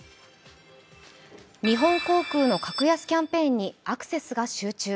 日本航空の格安キャンペーンにアクセスが集中。